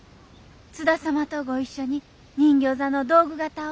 津田様と御一緒に人形座の道具方を。